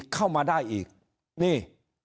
เข้ามาได้อีกนี่